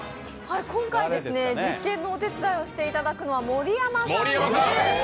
今回、実験のお手伝いをしていただくのは盛山さんです。